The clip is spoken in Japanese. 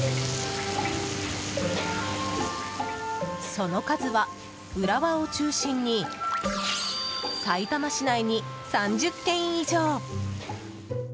その数は浦和を中心にさいたま市内に３０軒以上。